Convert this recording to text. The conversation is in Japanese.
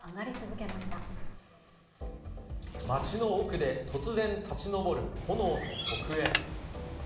町の奥で突然、立ち上る炎と黒煙。